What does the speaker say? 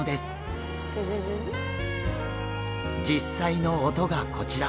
実際の音がこちら。